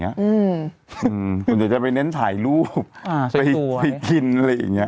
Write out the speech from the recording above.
ส่วนใหญ่จะไปเน้นถ่ายรูปไปกินอะไรอย่างเงี้